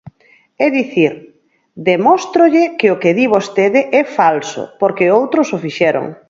É dicir, demóstrolle que o que di vostede é falso porque outros o fixeron.